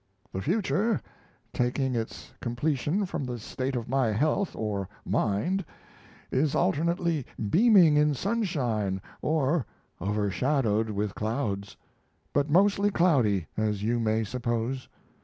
The future, taking its completion from the state of my health or mind, is alternately beaming in sunshine or over shadowed with clouds; but mostly cloudy, as you may suppose.